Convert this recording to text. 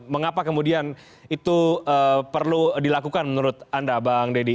mengapa kemudian itu perlu dilakukan menurut anda bang deddy